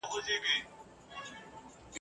له ناكامه به يې ښځه په ژړا سوه !.